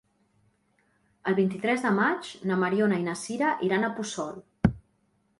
El vint-i-tres de maig na Mariona i na Sira iran a Puçol.